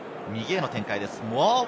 右への展開です。